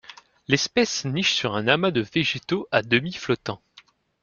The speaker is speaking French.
L'espèce niche sur un amas de végétaux à demi flottant.